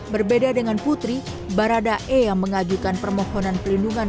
berbeda dengan putri baradae yang mengajukan permohonan pelindungan